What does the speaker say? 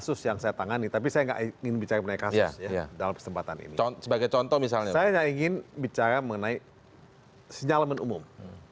saya nggak ingin bicara mengenai senyalaman umum